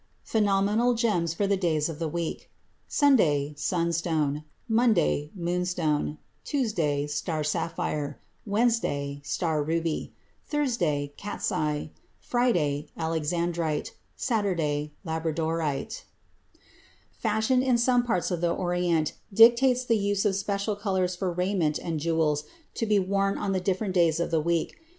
PHENOMENAL GEMS FOR THE DAYS OF THE WEEK Sunday Sunstone Monday Moonstone Tuesday Star sapphire Wednesday Star ruby Thursday Cat's eye Friday Alexandrite Saturday Labradorite Fashion in some parts of the Orient dictates the use of special colors for raiment and jewels to be worn on the different days of the week.